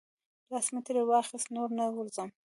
لاس مې ترې واخیست، نور نه ورځم.